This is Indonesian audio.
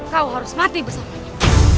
kau harus mati bersamanya